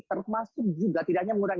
termasuk juga tidak hanya menggunakan